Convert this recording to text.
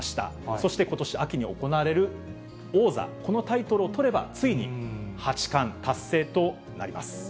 そしてことし秋に行われる王座、このタイトルをとれば、ついに八冠達成となります。